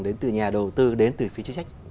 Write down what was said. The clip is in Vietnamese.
đến từ nhà đầu tư đến từ phí trí trách